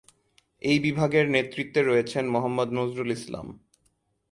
এই বিভাগের নেতৃত্বে রয়েছেন মোহাম্মদ নজরুল ইসলাম।